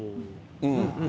うん。